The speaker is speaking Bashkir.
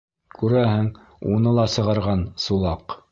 Күрәһең, уны ла сығарған Сулаҡ.